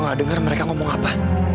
gue gak denger mereka ngomong apa